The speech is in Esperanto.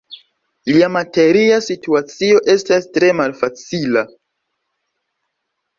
Lia materia situacio estas tre malfacila.